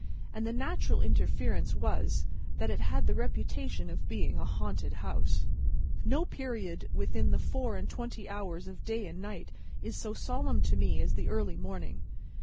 And the natural inference was, that it had the reputation of being a haunted house. [Picture: The haunted house] No period within the four and twenty hours of day and night is so solemn to me, as the early morning.